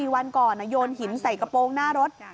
วันก่อนโยนหินใส่กระโปรงหน้ารถ